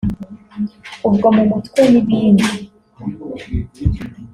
ubwo mu mutwe n’ibindi